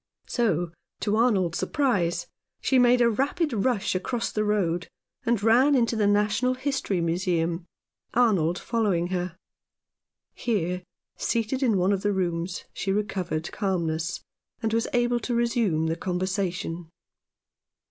So, to Arnold's surprise, she made a rapid rush across the road, and ran into the Natural History Museum, Arnold following her. Here, seated in one of the rooms, she recovered calmness, and was able to resume the conver sation.